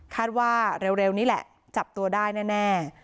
ว่าเร็วนี้แหละจับตัวได้แน่